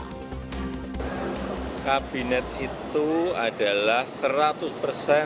kata jokowi kalau dimintai saran oleh presiden terpilih boleh saja mantan presiden memberi usul